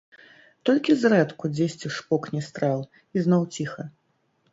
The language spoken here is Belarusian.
Толькі зрэдку дзесьці шпокне стрэл, і зноў ціха.